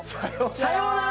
さよなら。